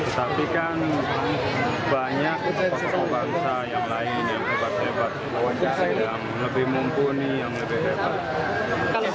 tetapi kan banyak tokoh tokoh bangsa yang lain yang hebat hebat wawancara yang lebih mumpuni yang lebih hebat